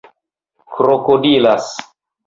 krokodilas